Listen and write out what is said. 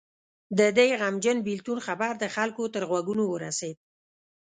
د دې غمجن بېلتون خبر د خلکو تر غوږونو ورسېد.